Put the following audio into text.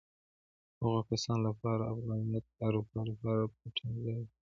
د هغو کسانو لپاره افغانیت د اروپا لپاره پټنځای دی.